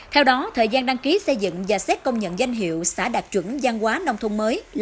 theo đó thời gian đăng ký xây dựng và xét công nhận danh hiệu xã đạt chuẩn gian hóa nông thôn mới là